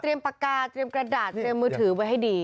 ปากกาเตรียมกระดาษเตรียมมือถือไว้ให้ดี